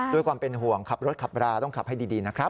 ด้วยความเป็นห่วงขับรถขับราต้องขับให้ดีนะครับ